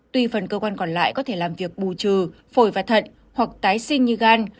tuy phần cơ quan còn lại có thể làm việc bù trừ phổi và thận hoặc tái sinh như gan